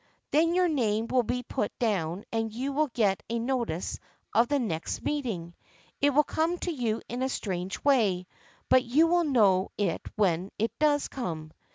Then your name will be put down and you will get a notice of the next meet ing. It will come to you in a strange way, but you will know it when it does come.